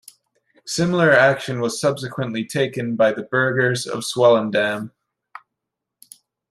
Similar action was subsequently taken by the burghers of Swellendam.